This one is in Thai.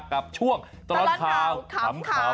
กับช่วงตลอดข่าวขำ